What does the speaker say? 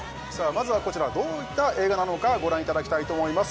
まずはこちらどういった映画なのかご覧いただきたいと思います